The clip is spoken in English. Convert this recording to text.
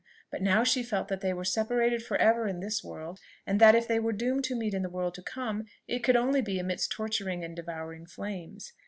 But now she felt that they were separated for ever in this world, and that if they were doomed to meet in the world to come, it could only be amidst torturing and devouring flames.